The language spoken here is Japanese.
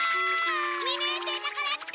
二年生だからって。